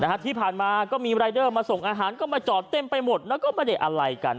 ที่ผ่านมาก็มีรายเดอร์มาส่งอาหารก็มาจอดเต็มไปหมดแล้วก็ไม่ได้อะไรกัน